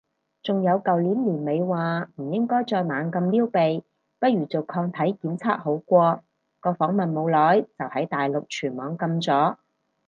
仲有舊年年尾話唔應該再猛咁撩鼻，不如做抗體檢測好過，個訪問冇耐就喺大陸全網禁咗